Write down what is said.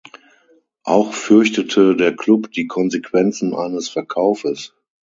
Auch fürchtete der Klub die Konsequenzen eines Verkaufes.